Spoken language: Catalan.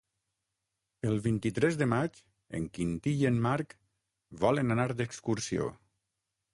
El vint-i-tres de maig en Quintí i en Marc volen anar d'excursió.